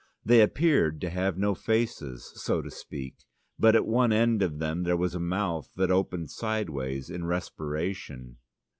They appeared to have no faces, so to speak, but at one end of them there was a mouth that opened sideways in respiration.